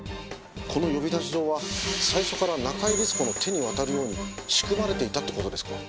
この呼び出し状は最初から中井律子の手に渡るように仕組まれていたって事ですか？